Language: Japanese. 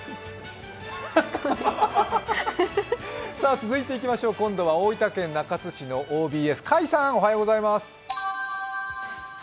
続いて、今度は大分県中津市のＯＢＳ甲斐さんおはようございます。